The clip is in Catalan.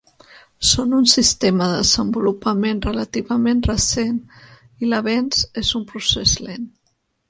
Són un sistema de desenvolupament relativament recent i l’avenç és un procés lent.